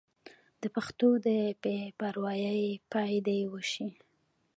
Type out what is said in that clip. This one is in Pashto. د پښتو د بې پروايۍ پای دې وشي.